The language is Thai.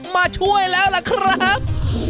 มาช่วยแล้วล่ะครับ